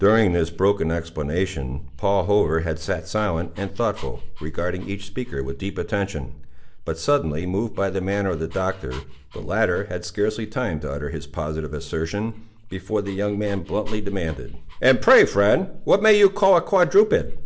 During this broken explanation, Paul Hover had sat silent and thoughtful, regarding each speaker with deep attention. But, suddenly moved by the manner of the Doctor, the latter had scarcely time to utter his positive assertion, before the young man bluntly demanded— "And pray, friend, what may you call a quadruped?"